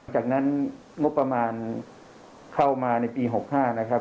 จากนั้นงบประมาณเข้ามาในปี๖๕นะครับ